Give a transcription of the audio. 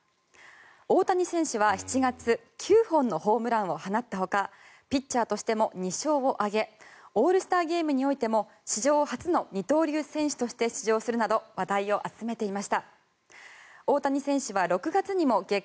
大谷選手は７月９本のホームランを放ったほかピッチャーとしても２勝を挙げオールスターゲームにおいても史上初の二刀流選手として出場するなどオリンピック今日の注目競技です。